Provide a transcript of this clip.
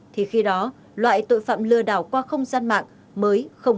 thì khi đó loại tội phạm lừa đảo trên không gian mạng sẽ không được phong ngờ